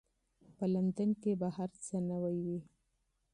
په لندن کې به هر څه نوي وي.